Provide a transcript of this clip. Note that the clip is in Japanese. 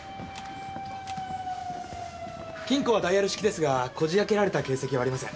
金庫はダイヤル式ですがこじ開けられた形跡はありません。